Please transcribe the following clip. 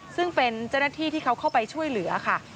ซึ่งเป็นเจ้าหน้าที่ที่เขาเข้าไปช่วยเหลือค่ะ